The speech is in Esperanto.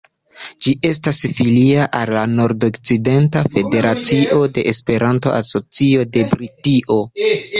Ĝi estas filia al la Nord-Okcidenta Federacio de Esperanto-Asocio de Britio.